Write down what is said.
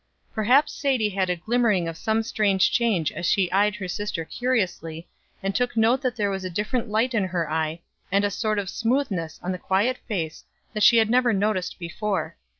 Perhaps Sadie had a glimmering of some strange change as she eyed her sister curiously, and took note that there was a different light in her eye, and a sort of smoothness on the quiet face that she had never noticed before.